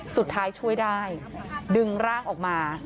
สุดท้ายช่วยได้ดึงร่างออกมา